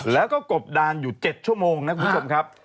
แล้วก็กบดานอยู่๗ชั่วโมงนะครับ